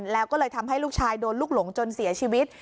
แล้วก็เลยทำให้ลูกชายโดนลูกหลงจนเสียชีวิต